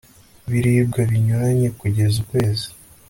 biribwa binyuranye kugeza ukwezi